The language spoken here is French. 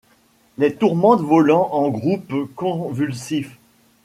Les tourmentes volant en groupes convulsifs